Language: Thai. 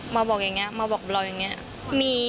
มาบอกอย่างเงี้ยมาบอกบรอยอย่างเงี้ย